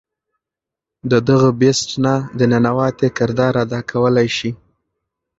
د دغه “Beast” نه د ننواتې کردار ادا کولے شي